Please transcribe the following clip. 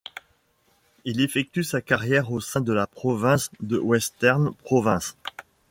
Il effectue sa carrière au sein de la province de Western Province.